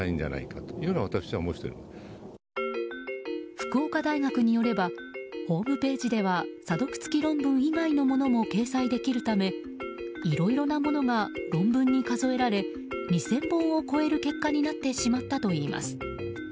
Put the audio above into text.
福岡大学によればホームページでは査読付き論文以外のものも掲載できるためいろいろなものが論文に数えられ２０００本を超える結果になってしまったといいます。